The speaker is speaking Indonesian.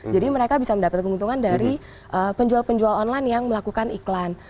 mereka bisa mendapat keuntungan dari penjual penjual online yang melakukan iklan